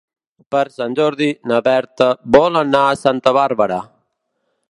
Per Sant Jordi na Berta vol anar a Santa Bàrbara.